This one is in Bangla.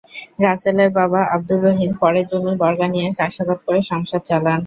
রাসেলের বাবা আবদুর রহিম পরের জমি বর্গা নিয়ে চাষাবাদ করে সংসার চালান।